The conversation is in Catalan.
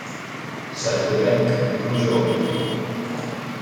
Cel groguenc, pluja o vent.